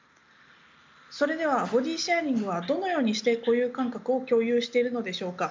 それではボディシェアリングはどのようにして固有感覚を共有しているのでしょうか。